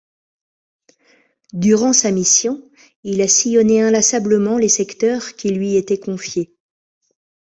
Durant sa mission, il a sillonné inlassablement les secteurs qui lui étaient confiés.